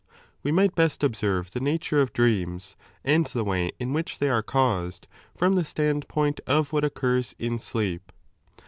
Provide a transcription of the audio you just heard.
We might best observe the nature of dreams, and the way in which they are caused, from the standpoint of what occurs in sleep.